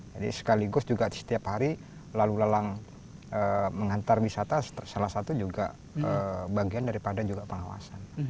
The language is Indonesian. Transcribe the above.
jadi sekaligus juga setiap hari lalu lalang mengantar wisata salah satu juga bagian daripada juga pengawasan